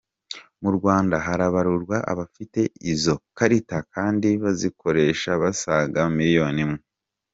Mu Rwanda harabarurwa abafite izo karita kandi bazikoresha basaga miliyoni imwe.